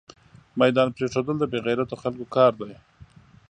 ميدان پريښودل دبې غيرتو خلکو کار ده